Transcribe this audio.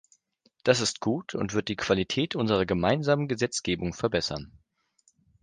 Das ist gut und wird die Qualität unserer gemeinsamen Gesetzgebung verbessern.